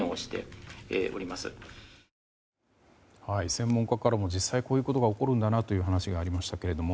専門家からも実際、こういうことが起こるんだなという話がありましたけれども。